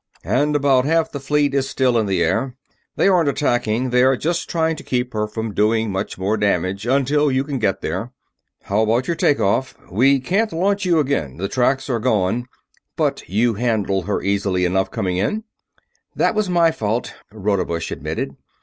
"... and about half the fleet is still in the air. They aren't attacking; they are just trying to keep her from doing much more damage until you can get there. How about your take off? We can't launch you again the tracks are gone but you handled her easily enough coming in?" "That was all my fault," Rodebush admitted.